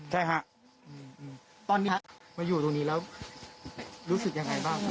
ใช่ครับใช่ฮะอืมอืมตอนนี้ฮะมาอยู่ตรงนี้แล้วรู้สึกยังไงบ้าง